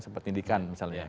seperti pendidikan misalnya